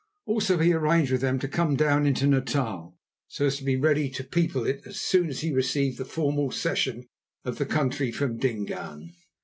Also he arranged with them to come down into Natal, so as to be ready to people it as soon as he received the formal cession of the country from Dingaan.